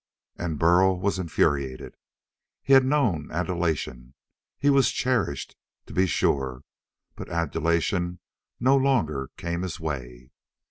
And Burl was infuriated. He had known adulation. He was cherished, to be sure, but adulation no longer came his way.